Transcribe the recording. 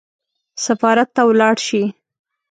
سفارت ته ولاړ شي.